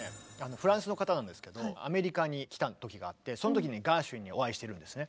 フランスの方なんですけどアメリカに来た時があってその時にガーシュウィンにお会いしてるんですね。